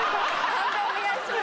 判定お願いします。